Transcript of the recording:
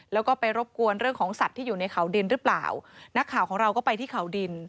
แล้วก็ไปรบกวนเรื่องของสัตว์ที่อยู่ในเขาดินหรือเปล่านักข่าวของเราก็ไปที่เขาดิน